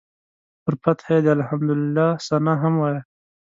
پر فتحه یې د الحمدلله ثناء هم وایه.